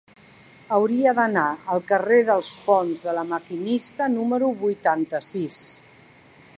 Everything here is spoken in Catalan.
Hauria d'anar al carrer dels Ponts de La Maquinista número vuitanta-sis.